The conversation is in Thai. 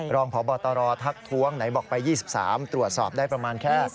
รองพบตรทักท้วงไหนบอกไป๒๓ตรวจสอบได้ประมาณแค่